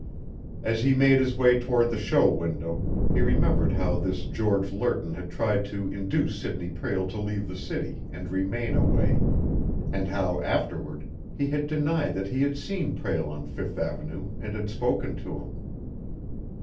As he made his way toward the show window, he remembered how this George Lerton had tried to induce Sidney Prale to leave the city and remain away, and how, afterward, he had denied that he had seen Prale on Fifth Avenue and had spoken to him.